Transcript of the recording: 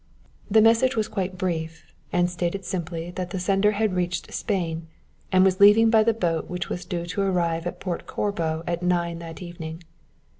The message was quite brief, and stated simply that the sender had reached Spain and was leaving by the boat which was due to arrive at Port Corbo at nine that evening.